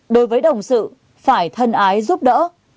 đối với đồng sự phải thân ái giúp đỡ